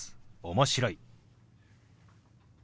「面白い」。